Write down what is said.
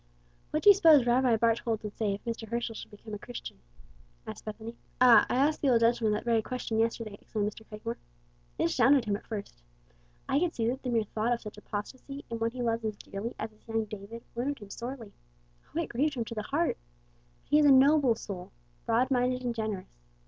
"What do you suppose Rabbi Barthold would say if Mr. Herschel should become a Christian?" asked Bethany. "Ah, I asked the old gentleman that very question yesterday," exclaimed Mr. Cragmore. "It astounded him at first. I could see that the mere thought of such apostasy in one he loves as dearly as his young David, wounded him sorely. O, it grieved him to the heart! But he is a noble soul, broad minded and generous.